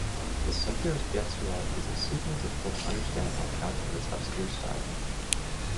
The "Sefer Yetzirah" is exceedingly difficult to understand on account of its obscure style.